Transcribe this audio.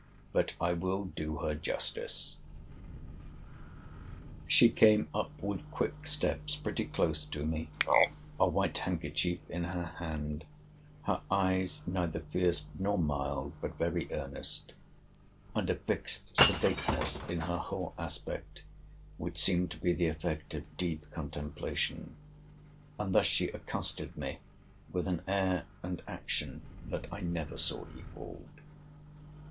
—But I will do her justice. She came up with quick steps, pretty close to me; a white handkerchief in her hand; her eyes neither fierce nor mild, but very earnest; and a fixed sedateness in her whole aspect, which seemed to be the effect of deep contemplation: and thus she accosted me, with an air and action that I never saw equalled.